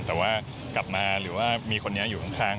แต่ว่ากลับมาหรือว่ามีคนนี้อยู่ข้าง